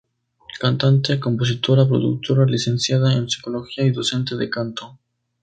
Cantante, compositora, productora, Licenciada en Psicología y docente de canto.